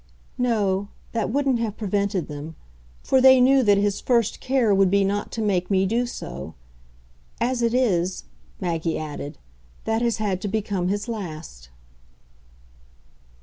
"No, that wouldn't have prevented them; for they knew that his first care would be not to make me do so. As it is," Maggie added, "that has had to become his last."